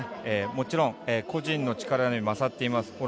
もちろん個人の力で勝っています